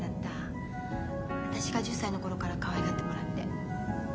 私が１０歳の頃からかわいがってもらって。